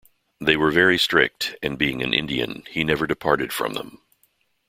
They were very strict, and being an Indian, he never departed from them.